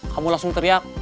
kamu langsung teriak